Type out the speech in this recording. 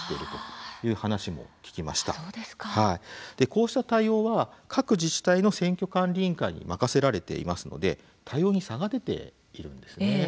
こうした対応は各自治体の選挙管理委員会に任せられていますので対応に差が出ているんですね。